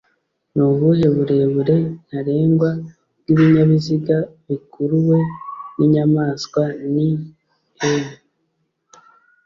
ni ubuhe burebure ntarengwa bw’ibinyabiziga bikuruwe n’inyamaswa ni m